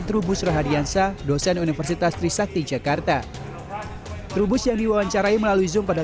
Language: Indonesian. trubus rahadiansa dosen universitas tri sakti jakarta trubus yang diwawancarai melalui zoompada